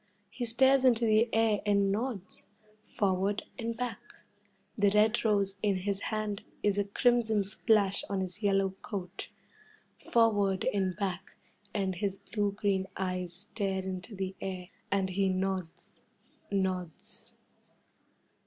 He stares into the air and nods forward and back. The red rose in his hand is a crimson splash on his yellow coat. Forward and back, and his blue green eyes stare into the air, and he nods nods.